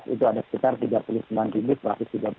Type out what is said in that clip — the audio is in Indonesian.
itu ada sekitar tiga puluh sembilan juta dua ratus tiga puluh lima